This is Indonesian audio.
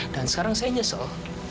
dan sekarang saya nyesel